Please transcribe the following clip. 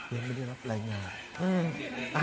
ยังไม่ได้รับรายงาน